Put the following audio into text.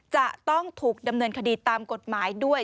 จะต้องถูกดำเนินคดีตามกฎหมายด้วย